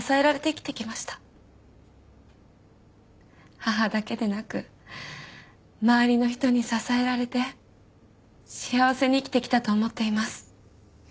母だけでなく周りの人に支えられて幸せに生きてきたと思っています。